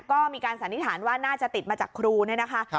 ก็มีการสันนิษฐานว่าน่าจะติดมาจากครูเนี่ยนะคะ